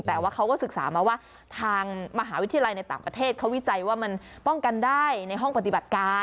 แต่ว่าเขาก็ศึกษามาว่าทางมหาวิทยาลัยในต่างประเทศเขาวิจัยว่ามันป้องกันได้ในห้องปฏิบัติการ